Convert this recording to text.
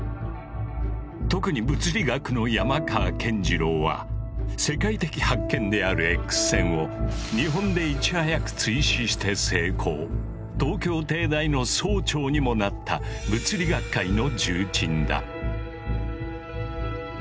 特に物理学の山川健次郎は世界的発見であるＸ線を東京帝大の総長にもなった物理学会の重鎮だ。